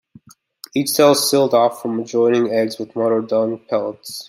Each cell is sealed off from adjoining eggs with mud or dung pellets.